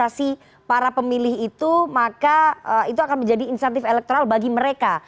dan menganalisasi para pemilih itu maka itu akan menjadi insentif elektoral bagi mereka